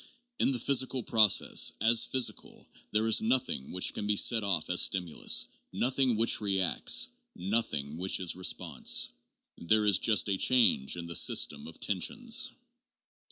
In the physical process, as physical, there is nothing which can be set off as stimulus, nothing which reacts, nothing which is response. There is just a change in the system of tensions.